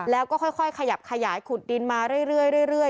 แล้วก็ค่อยขยับขยายขุดดินมาเรื่อย